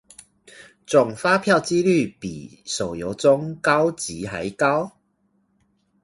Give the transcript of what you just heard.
中發票機率比手遊中高級還高